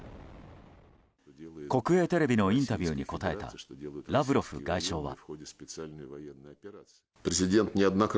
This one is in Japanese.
国営テレビのインタビューに答えたラブロフ外相は。